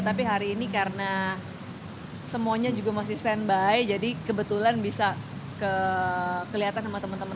tapi hari ini karena semuanya juga masih standby jadi kebetulan bisa kelihatan sama teman teman